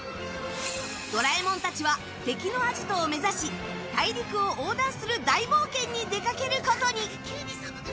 ドラえもんたちは敵のアジトを目指し大陸を横断する大冒険に出かけることに。